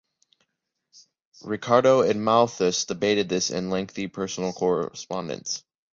Ricardo and Malthus debated this in a lengthy personal correspondence.